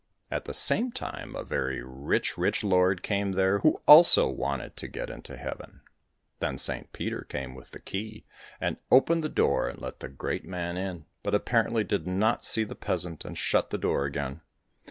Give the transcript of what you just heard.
At the same time a very rich, rich lord came there who also wanted to get into heaven. Then Saint Peter came with the key, and opened the door, and let the great man in, but apparently did not see the peasant, and shut the door again.